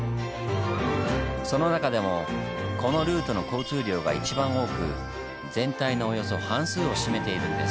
その中でもこのルートの交通量が一番多く全体のおよそ半数を占めているんです。